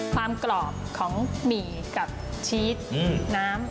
ความกรอบของหมี่กับชีสน้ำ